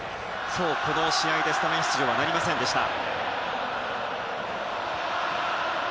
今日、この試合でスタメン出場はなりませんでした。